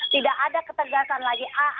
tidak ada ketegasan lagi